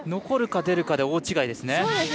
残るか出るかで大違いですね。